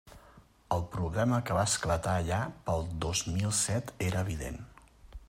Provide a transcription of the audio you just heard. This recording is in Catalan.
El problema que va esclatar allà pel dos mil set era evident.